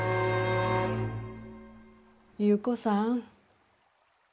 優子さん。